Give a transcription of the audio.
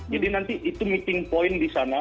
jadi nanti itu meeting point di sana